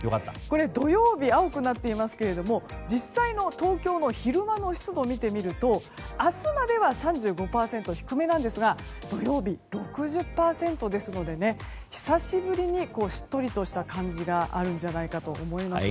土曜日、青くなっていますが実際の東京の昼間の湿度を見てみると明日までは３５％と低めですが土曜日、６０％ですので久しぶりにしっとりとした感じがあるんじゃないかと思います。